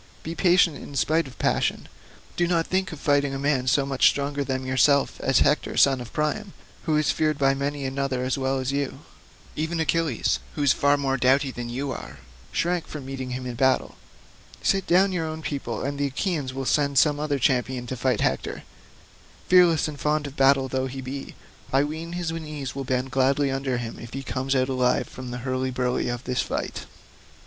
Be patient in spite of passion, do not think of fighting a man so much stronger than yourself as Hector son of Priam, who is feared by many another as well as you. Even Achilles, who is far more doughty than you are, shrank from meeting him in battle. Sit down your own people, and the Achaeans will send some other champion to fight Hector; fearless and fond of battle though he be, I ween his knees will bend gladly under him if he comes out alive from the hurly burly of this fight."